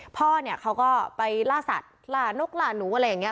พ่อเนี่ยเขาก็ไปล่าสัตว์ล่านกล่าหนูอะไรอย่างนี้